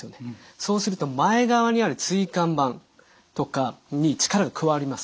そうすると前側にある椎間板とかに力が加わります。